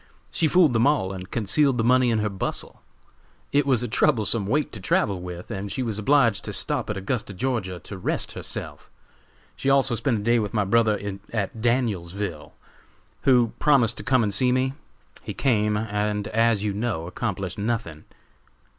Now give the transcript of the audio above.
She fooled them all, and concealed the money in her bustle. It was a troublesome weight to travel with, and she was obliged to stop at Augusta, Ga., to rest herself. She also spent a day with my brother at Danielsville, who promised to come and see me. He came, and, as you know, accomplished nothing.